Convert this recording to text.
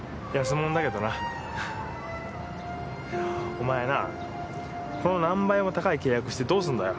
お前なこの何倍も高い契約してどうすんだよ。